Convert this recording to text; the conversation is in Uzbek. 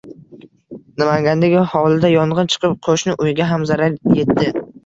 Namangandagi hovlida yong‘in chiqib, qo‘shni uyga ham zarar yetdi